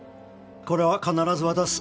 これは必ず渡す。